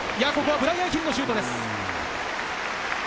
ブライアン・ヒルのシュートです。